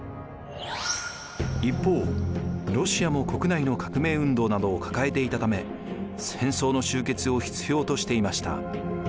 一方ロシアも国内の革命運動などを抱えていたため戦争の終結を必要としていました。